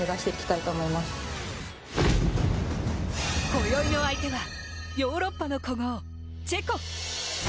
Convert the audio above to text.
今宵の相手はヨーロッパの古豪・チェコ。